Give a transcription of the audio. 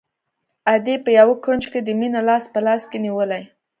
ادې په يوه کونج کښې د مينې لاس په لاس کښې نيولى.